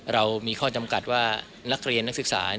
เรามีข้อจำกัดว่านักเรียนนักศึกษา